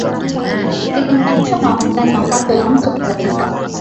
ikilinganishwa na wastani wa pato la mtu Kitaifa